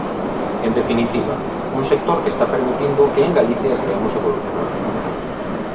En definitiva, un sector que está permitindo que en Galicia esteamos evolucionando.